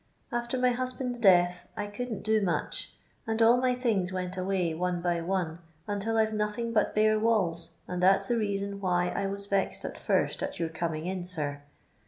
After my husband's death I couldn't do much, and all my things went away, one by one, until I've nothing but bare walls, and that's the reason why I was vexed at first at your coming in, sir.